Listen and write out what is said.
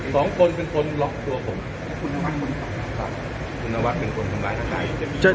สองคนแข็งรายรับคุณนวัตรแย่ในดูรูป